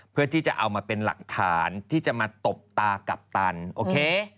เพื่อที่จะเอามาเป็นหลักฐานที่จะมาตบตากัปตันโอเค